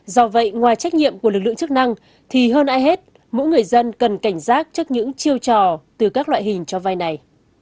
do vậy ngoài trách nhiệm của lực lượng chức năng thì hơn ai hết mỗi người dân cần cảnh giác trước những chiêu trò từ các loại hình cho vay này